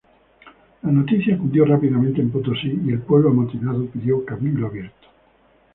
La noticia cundió rápidamente en Potosí y el pueblo amotinado pidió cabildo abierto.